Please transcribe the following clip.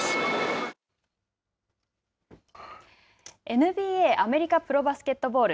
ＮＢＡ＝アメリカプロバスケットボール。